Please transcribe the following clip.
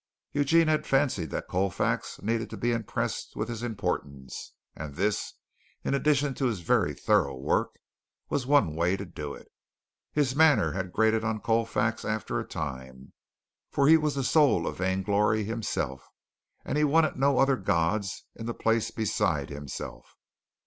Eugene had fancied that Colfax needed to be impressed with his importance, and this, in addition to his very thorough work, was one way to do it. His manner had grated on Colfax after a time, for he was the soul of vainglory himself, and he wanted no other gods in the place beside himself.